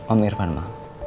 om irfan ma